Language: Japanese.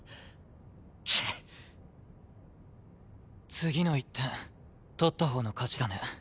次の１点取ったほうの勝ちだね。